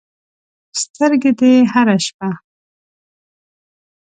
سترګې دې هره شپه